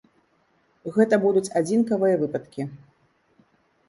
Гэта будуць адзінкавыя выпадкі.